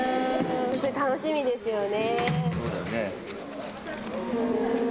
楽しみですよね。